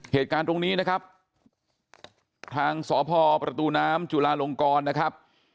เหตุการณ์ตรงนี้นะครับทางสพประตูน้ำจุลาลงกรนะครับ